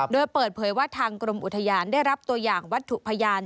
โดยเปิดเผยว่าทางกรมอุทยานได้รับตัวอย่างวัตถุพยาน